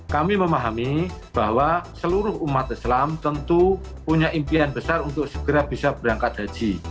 kami memahami bahwa seluruh umat islam tentu punya impian besar untuk segera bisa berangkat haji